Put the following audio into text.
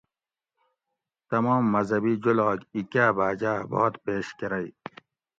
تمام مذھبی جولاگ اِیکاۤ باجاۤ باد پیش کرئی